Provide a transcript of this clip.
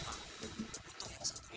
pak butuh yang satu ini